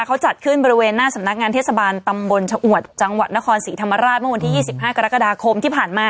เขาจัดขึ้นบริเวณหน้าสำนักงานเทศบาลตำบลชะอวดจังหวัดนครศรีธรรมราชเมื่อวันที่๒๕กรกฎาคมที่ผ่านมา